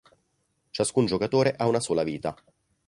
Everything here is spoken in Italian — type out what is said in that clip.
Ciascun giocatore ha una sola vita.